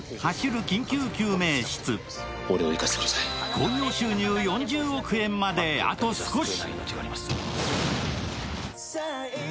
興行収入４０億円まであと少し！